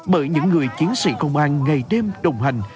bởi những người chiến sĩ công an ngày đêm đồng hành